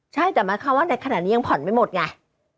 ใช่แต่มาข้างว่านั้นขนาดนี้ยังผ่อนไม่หมดไง